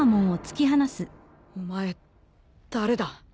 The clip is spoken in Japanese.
お前誰だ？